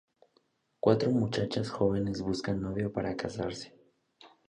Cuatro muchachas jóvenes buscan novio para casarse.